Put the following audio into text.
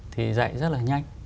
thì dạy rất là nhanh